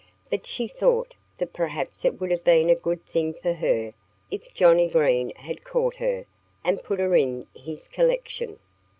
But she thought that perhaps it would have been a good thing for her if Johnnie Green had caught her and put her in his collection.